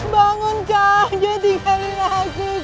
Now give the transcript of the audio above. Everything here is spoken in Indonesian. bangunlah jangan tinggalkan aku